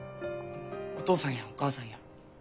お父さんやお母さんや恵達も？